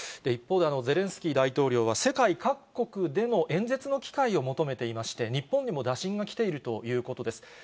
一方で、ゼレンスキー大統領は、世界各国での演説の機会を求めていまして、日本にも打診が来ているということです。